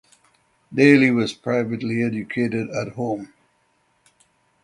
Daly was privately educated at home.